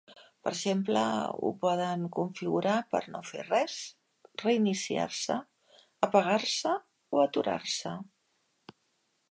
Per exemple, ho poden configurar per a "no fer res", "reiniciar-se", "apagar-se" o "aturar-se".